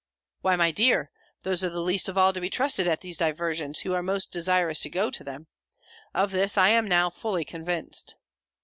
"Why, my dear, those are least of all to be trusted at these diversions, who are most desirous to go to them. Of this I am now fully convinced."